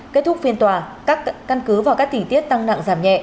kết thúc phiên tòa các căn cứ và các tỉnh tiết tăng nặng giảm nhẹ